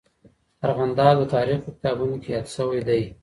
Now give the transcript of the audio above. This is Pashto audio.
ارغنداب د تاریخ په کتابونو کې یاد سوی دی.